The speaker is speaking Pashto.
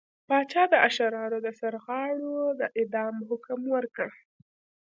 پاچا د اشرارو د سرغاړو د اعدام حکم ورکړ.